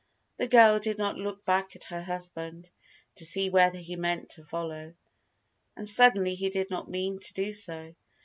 The girl did not look back at her husband, to see whether he meant to follow. And suddenly he did not mean to do so.